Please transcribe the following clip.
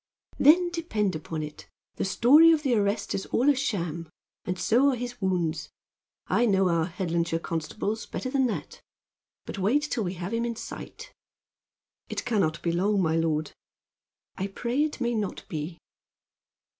"Then, depend upon it, the story of the arrest is all a sham, and so are his wounds. I know our Headlandshire constables better than that. But wait till we have him in sight." "It can not be long, my lord." "I pray it may not be."